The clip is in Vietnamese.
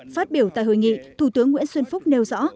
phát biểu tại hội nghị thủ tướng nguyễn xuân phúc nêu rõ